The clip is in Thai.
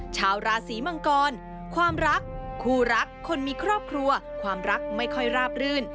ชาวราศีมังกรความรักคู่รักคนมีครอบครัวความรักไม่ค่อยราบรื่น